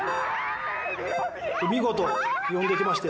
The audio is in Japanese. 見事呼んできまして。